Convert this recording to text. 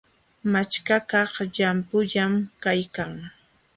Machkakaq llampullam kaykan.